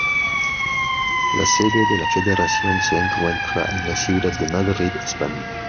La sede de la federación se encuentra en la ciudad de Madrid, España.